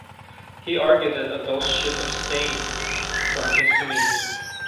He argued that adults should abstain from consuming meat.